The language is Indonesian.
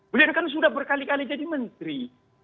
beliau kan sudah berkali kali jadi menteri